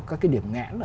các cái điểm ngãn